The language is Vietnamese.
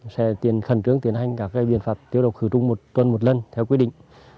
sẽ khẩn trương tiến hành các biện phạt tiêu độc khử trùng một tuần một lần theo quyết định